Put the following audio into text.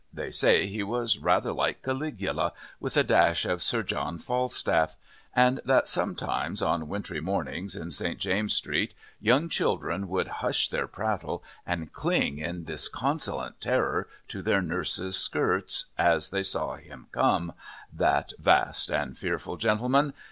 They say he was rather like Caligula, with a dash of Sir John Falstaff, and that sometimes on wintry mornings in St. James's Street young children would hush their prattle and cling in disconsolate terror to their nurses' skirts, as they saw him come (that vast and fearful gentleman!)